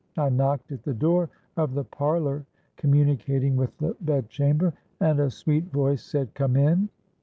I knocked at the door of the parlour communicating with the bed chamber; and a sweet voice said, 'Come in.'